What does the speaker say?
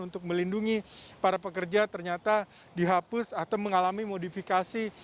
untuk melindungi para pekerja ternyata dihapus atau mengalami modifikasi